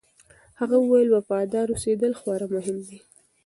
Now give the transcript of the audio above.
هغه وویل، وفادار اوسېدل خورا مهم دي.